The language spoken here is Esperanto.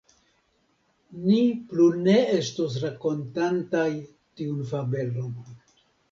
Ni plu ne estos rakontantaj tiun fabelon.